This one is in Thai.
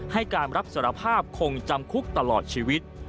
ให้การรับสารภาพคงจำคุกตลอดชีวิต